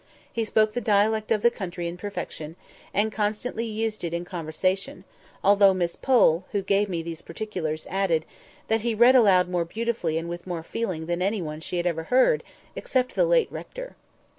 He spoke the dialect of the country in perfection, and constantly used it in conversation; although Miss Pole (who gave me these particulars) added, that he read aloud more beautifully and with more feeling than any one she had ever heard, except the late rector.